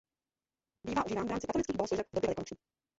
Bývá užíván v rámci katolických bohoslužeb v době velikonoční.